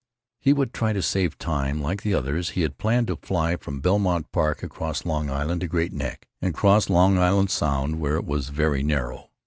He would try to save time. Like the others, he had planned to fly from Belmont Park across Long Island to Great Neck, and cross Long Island Sound where it was very narrow.